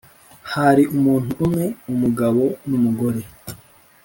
hari umuntu umwe umugabo numugore.